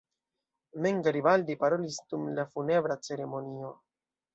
Mem Garibaldi parolis dum la funebra ceremonio.